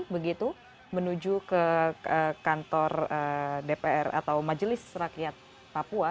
begitu menuju ke kantor dpr atau majelis rakyat papua